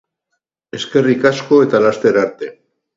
Eskerrik asko eta laster arte.